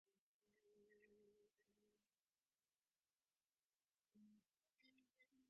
އަހަރެންހުރީ ކަންފަތުން ދުން އަރާވަރު ވެފަ